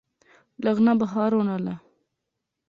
لغنا بخار ہون آلا